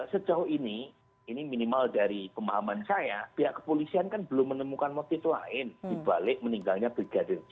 sejauh ini ini minimal dari pemahaman saya pihak kepolisian kan belum menemukan motif lain dibalik meninggalnya brigadir j